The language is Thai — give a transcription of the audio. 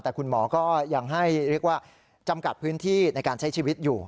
แต่คุณหมอก็ยังให้เรียกว่าจำกัดพื้นที่ในการใช้ชีวิตอยู่